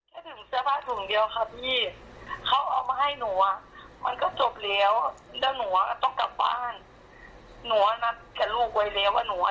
เยือนที่แล้วแล้วหนูไม่รู้ว่ามันเป็นอะไรหรือเปล่า